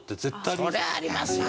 そりゃありますよ。